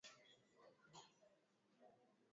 dominici develope naam naam